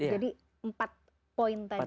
jadi empat poin tadi